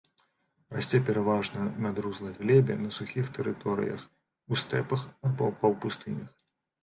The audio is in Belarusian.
Расце пераважна на друзлай глебе на сухіх тэрыторыях, у стэпах або паўпустынях.